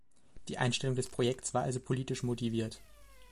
Die Einstellung des Projekts war also politisch motiviert.